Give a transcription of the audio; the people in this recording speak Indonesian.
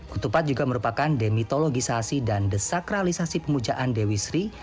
ketupat juga merupakan demitologisasi dan desakralisasi pemujaan dewi sri